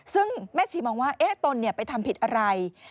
ซึ่งแม่ชีมองว่าตนไปทำผิดอะไร